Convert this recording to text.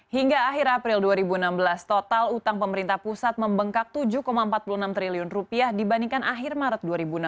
hingga akhir april dua ribu enam belas total utang pemerintah pusat membengkak rp tujuh empat puluh enam triliun dibandingkan akhir maret dua ribu enam belas